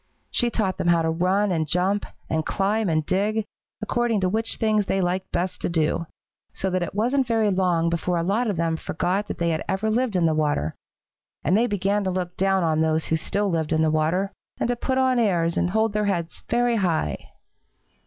She taught them how to run and jump and climb and dig, according to which things they liked best to do, so that it wasn't very long before a lot of them forgot that they ever had lived in the water, and they began to look down on those who still lived in the water, and to put on airs and hold their heads very high.